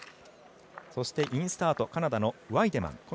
そしてインスタートカナダのワイデマン。